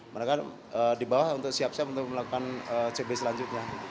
mereka di bawah untuk siap siap untuk melakukan cb selanjutnya